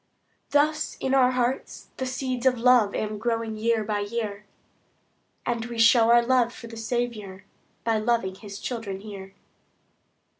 Thus in our hearts the seeds of love Am growing year by year; And we show our love for the Saviour, By loving His children here.